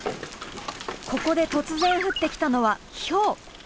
ここで突然降ってきたのはひょう。